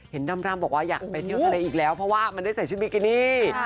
ร่ำบอกว่าอยากไปเที่ยวทะเลอีกแล้วเพราะว่ามันได้ใส่ชุดบิกินี่